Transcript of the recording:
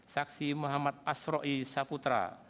saksi muhammad asroi saputra